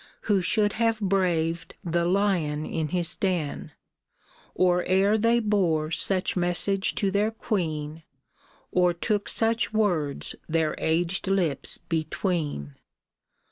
Who should have braved the lion in his den. Or ere they bore such message to their queen, Or took such words their aged lips between.